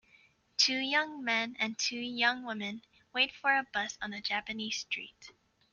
Two young men and two young women wait for a bus on a Japanese street